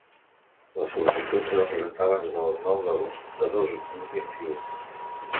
La sol·licitud s'ha de presentar abans del nou d'agost de dos mil vint-i-u.